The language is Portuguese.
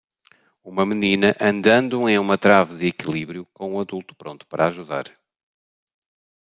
Uma menina andando em uma trave de equilíbrio com um adulto pronto para ajudar